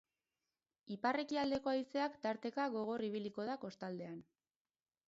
Ipar-ekialdeko haizeak tarteka gogor ibiliko da kostaldean.